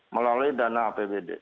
melalui dana apbd